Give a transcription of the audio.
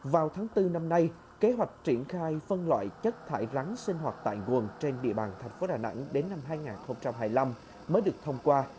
vào tháng bốn năm nay kế hoạch triển khai phân loại chất thải rắn sinh hoạt tại nguồn trên địa bàn thành phố đà nẵng đến năm hai nghìn hai mươi năm mới được thông qua